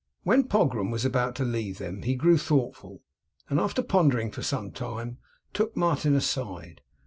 When Pogram was about to leave them he grew thoughtful, and after pondering for some time, took Martin aside.